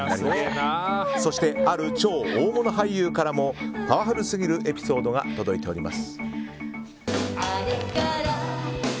そして、ある超大物俳優からもパワフルすぎるエピソードが届いております。